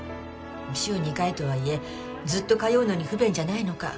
週２回とはいえずっと通うのに不便じゃないのか。